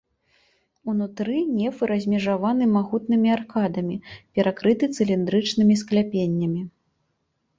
Унутры нефы размежаваны магутнымі аркадамі, перакрыты цыліндрычнымі скляпеннямі.